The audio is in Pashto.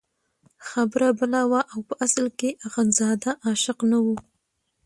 خبره بله وه او په اصل کې اخندزاده عاشق نه وو.